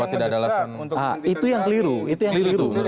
tidak ada alasan yang mendesak untuk pembuktikan salah itu